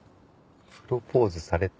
プロポーズされた？